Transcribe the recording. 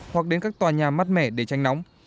hoặc đến các tòa nhà mát mẻ để tranh nóng